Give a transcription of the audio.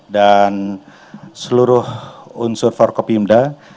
dan seluruh unsur porkopimda